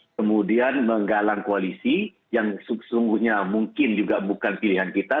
kemudian menggalang koalisi yang sesungguhnya mungkin juga bukan pilihan kita